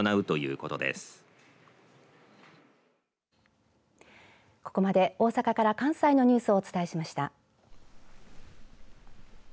ここまで大阪から関西のニュースをお伝えしました。